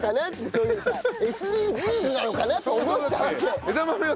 そういうさＳＤＧｓなのかなって思ったわけ。